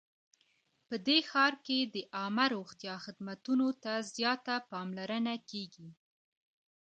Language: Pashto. په دې ښار کې د عامه روغتیا خدمتونو ته زیاته پاملرنه کیږي